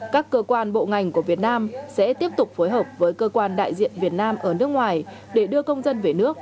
các cơ quan bộ ngành của việt nam sẽ tiếp tục phối hợp với cơ quan đại diện việt nam ở nước ngoài để đưa công dân về nước